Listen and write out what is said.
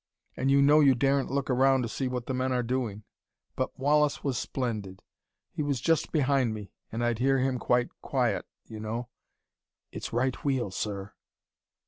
And you know you daren't look round to see what the men are doing. But Wallace was splendid. He was just behind me, and I'd hear him, quite quiet you know, 'It's right wheel, sir.'